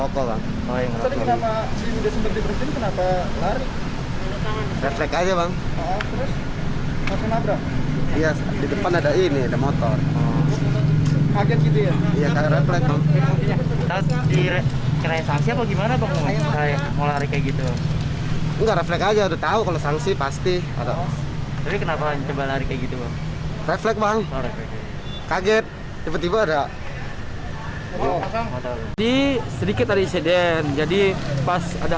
pengendara sepeda motor yang diketahui bernama nahar